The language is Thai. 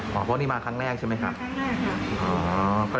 อ๋อเพราะว่านี่มาครั้งแรกใช่ไหมครับมาครั้งแรกครับ